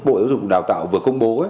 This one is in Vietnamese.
bộ giáo dục đào tạo vừa công bố